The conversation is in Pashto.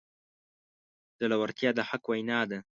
زړورتیا د حق وینا ده.